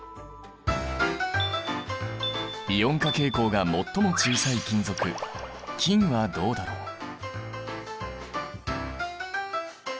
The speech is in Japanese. イオン化傾向が最も小さい金属金はどうだろう。